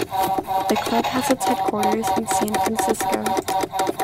The club has its headquarters in San Francisco.